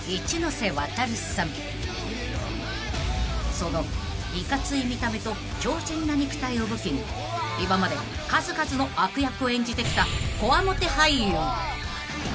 ［そのイカつい見た目と強靱な肉体を武器に今まで数々の悪役を演じてきた］